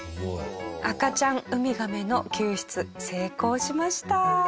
赤ちゃんウミガメの救出成功しました。